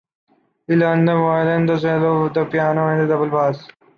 He learnt the violin, the cello, the piano and the double bass.